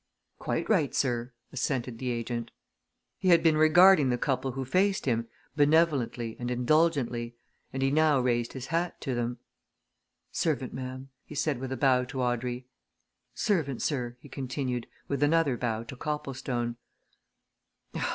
"Quite right, sir," assented the agent. He had been regarding the couple who faced him benevolently and indulgently, and he now raised his hat to them. "Servant, ma'am," he said with a bow to Audrey. "Servant, sir," he continued, with another bow to Copplestone.